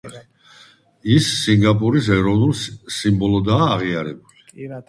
ის სინგაპურის ეროვნულ სიმბოლოდაა აღიარებული.